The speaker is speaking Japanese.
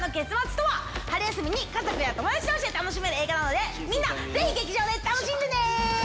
春休みに家族や友達同士で楽しめる映画なのでみんなぜひ劇場で楽しんでね！